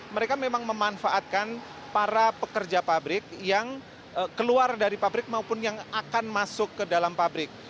mereka memang memanfaatkan para pekerja pabrik yang keluar dari pabrik maupun yang akan masuk ke dalam pabrik